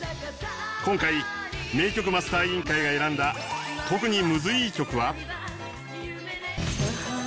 今回名曲マスター委員会が選んだ特にムズいい曲は。